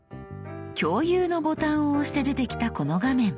共有のボタンを押して出てきたこの画面。